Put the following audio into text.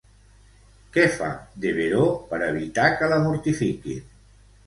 Què fa Devereaux per evitar que la mortifiquin?